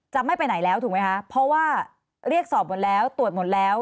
ไม่ไปไหนแล้วถูกไหมคะเพราะว่าเรียกสอบหมดแล้วตรวจหมดแล้ว